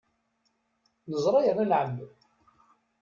Neẓra yerna nɛemmed!